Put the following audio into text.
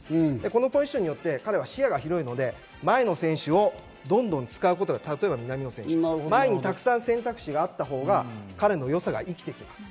このポジションによって視野が広いので、前の選手をどんどん使うことが例えば南野選手、たくさん選択肢があった方が彼のよさが生きてきます。